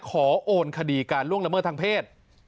โอนคดีการล่วงละเมิดทางเพศ